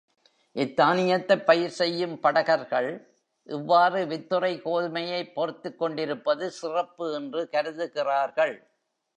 இத்தானியத்தைப் பயிர் செய்யும் படகர்கள், இவ்வாறு வித்துறை கோதுமையைப் போர்த்துக்கொண்டிருப்பது சிறப்பு என்று கருதுகிறார்கள்.